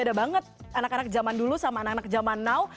ada banget anak anak zaman dulu sama anak anak zaman now